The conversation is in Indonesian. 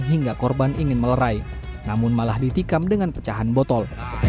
hingga korban ingin melerai namun malah ditikam dengan pecahan botol